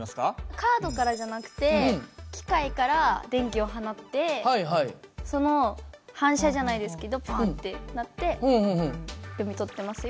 カードからじゃなくて機械から電気を放ってその反射じゃないですけどパッてなって読み取ってますよ。